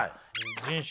人種？